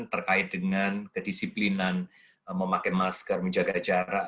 terkait dengan kedisiplinan memakai masker menjaga jarak